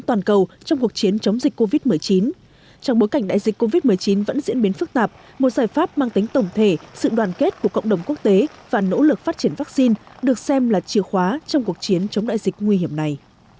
trong bối cảnh đại dịch covid một mươi chín vẫn diễn biến phức tạp một giải pháp mang tính tổng thể sự đoàn kết của cộng đồng quốc tế và nỗ lực phát triển vaccine được xem là chìa khóa trong cuộc chiến chống đại dịch nguy hiểm này